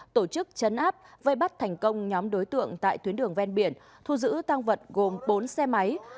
tổ chức chấn áp vây bắt thành công nhóm đối tượng tại tuyến đường ven biển thu giữ tăng vật gồm bốn xe máy